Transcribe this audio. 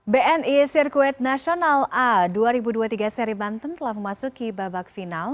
bni sirkuit nasional a dua ribu dua puluh tiga seri banten telah memasuki babak final